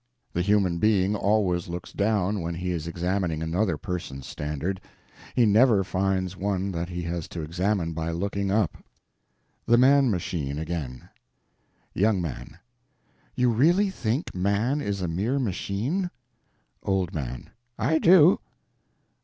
The human being always looks down when he is examining another person's standard; he never find one that he has to examine by looking up. The Man Machine Again Young Man. You really think man is a mere machine? Old Man. I do.